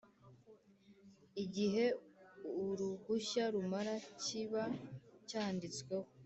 igihe uruhushya rumara kiba cyanditsweho